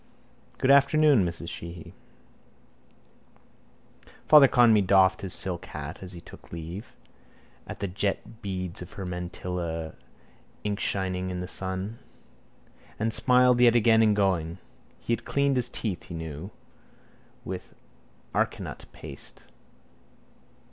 —Good afternoon, Mrs Sheehy. Father Conmee doffed his silk hat and smiled, as he took leave, at the jet beads of her mantilla inkshining in the sun. And smiled yet again, in going. He had cleaned his teeth, he knew, with arecanut paste.